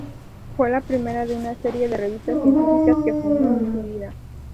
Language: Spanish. Fue la primera de una serie de revistas científicas que fundó en su vida.